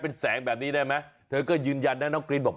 เป็นแสงแบบนี้ได้ไหมเธอก็ยืนยันนะน้องกรีนบอก